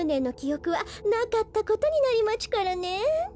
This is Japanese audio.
おくはなかったことになりまちゅからね。